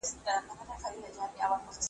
یو وخت زما هم برابره زندګي وه ,